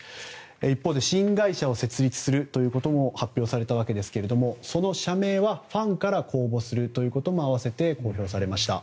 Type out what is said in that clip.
一方で、新会社を設立するということも発表されたわけですがその社名はファンから公募するということも合わせて公表されました。